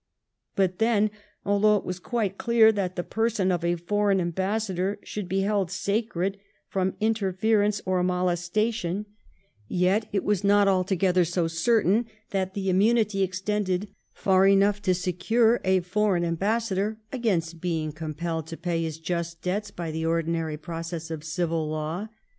But then, although it was quite clear that the person of a foreign ambassador should be held sacred from inter ference or molestation, yet it was not altogether so certain that the immunity extended far enough to secure a foreign ambassador against being compelled to pay his just debts by the ordinary process of civil law.